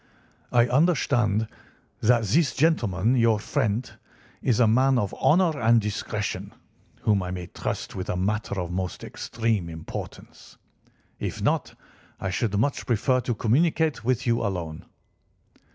I understand that this gentleman, your friend, is a man of honour and discretion, whom I may trust with a matter of the most extreme importance. If not, I should much prefer to communicate with you alone."